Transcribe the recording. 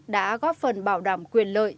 đã góp phần bảo đảm quyền lợi